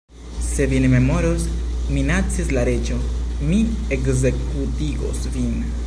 "Se vi ne memoros," minacis la Reĝo, "mi ekzekutigos vin."